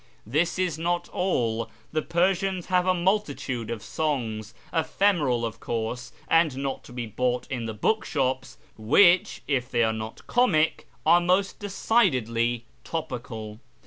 This is not all. The Persians have a multitude of songs — ephemeral, of course, and not to be bought in the bookshops — which, if they are not comic, are most decidedly topical.